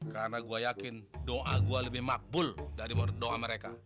karena gue yakin doa gue lebih makbul dari doa mereka